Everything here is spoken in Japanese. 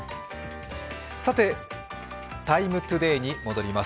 「ＴＩＭＥ，ＴＯＤＡＹ」に戻ります。